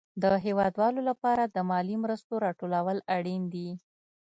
د هېوادوالو لپاره د مالي مرستو راټول اړين دي.